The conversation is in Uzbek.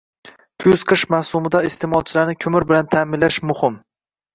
Kuz-qish mavsumida iste’molchilarni ko‘mir bilan ta’minlash muhimng